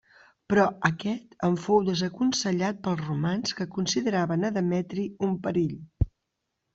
Però aquest en fou desaconsellat pels romans que consideraven a Demetri un perill.